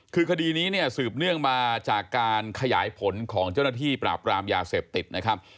คือคดีนี้เนี่ยสืบเนื่องมาจากการขยายผลของเจ้าหน้าที่ปราบกรามยาเสพติดนะครับ